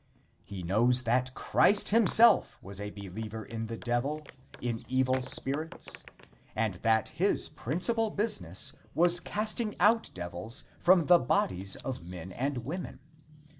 He knows that Christ himself was a believer in the Devil, in evil spirits, and that his principal business was casting out devils from the bodies of men and women.